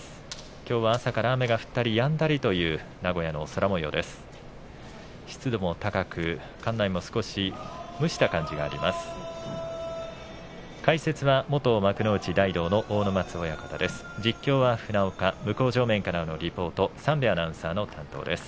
きょうは朝から雨が降ったりやんだりという名古屋の空もようです。